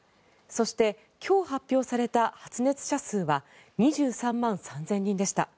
そして今日発表された発熱者数は２３万３０００人でした。